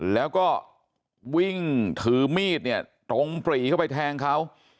แล้วก็วิ่งถือมีดเนี่ยตรงปรีเข้าไปแทงเขา